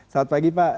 selamat pagi pak